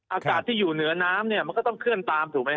อากาศที่อยู่เหนือน้ำเนี่ยมันก็ต้องเคลื่อนตามถูกไหมฮ